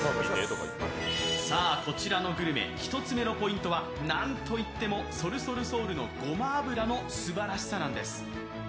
こちらのグルメ１つ目のポイントは何といってもＳＯＬＳＯＬＳＥＯＵＬのごま油のすばらしさなんです。